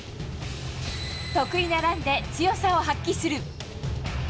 得意なランで強さを発揮する。